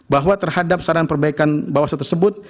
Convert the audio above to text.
bahwa terhadap saran perbaikan bawah seluruh tersebut